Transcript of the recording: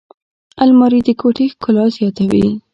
الماري د کوټې ښکلا زیاتوي